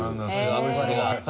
憧れがあった。